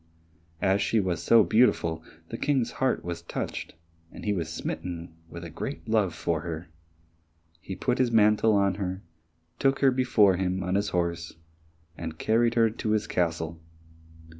As she was so beautiful, the King's heart was touched, and he was smitten with a great love for her. He put his mantle on her, took her before him on his horse, and carried her to his castle.